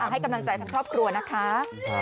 ให้กำลังใจทั้งครอบครัวนะคะ